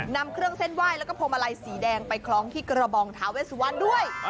นำเครื่องเส้นไหว้แล้วก็พวงมาลัยสีแดงไปคล้องที่กระบองท้าเวสวันด้วย